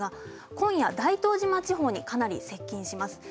今夜、大東島地方にかなり接近します。